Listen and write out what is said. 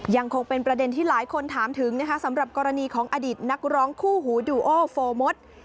ยังคงเป็นประเด็นที่หลายคนถามถึงนะคะสำหรับกรณีของอดีตนักร้องคู่หูดูโอโฟมด